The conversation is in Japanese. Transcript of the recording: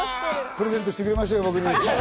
プレゼントしてくれましょうよ、僕に。